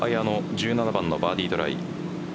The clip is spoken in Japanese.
１７番のバーディートライ。